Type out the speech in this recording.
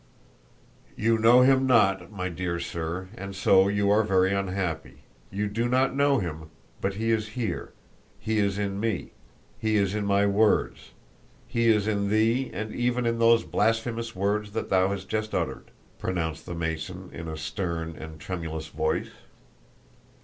"You know Him not, my dear sir, and so you are very unhappy. You do not know Him, but He is here, He is in me, He is in my words, He is in thee, and even in those blasphemous words thou hast just uttered!" pronounced the Mason in a stern and tremulous voice.